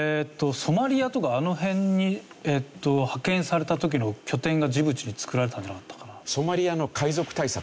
ソマリアとかあの辺に派遣された時の拠点がジブチに作られたんじゃなかったかな。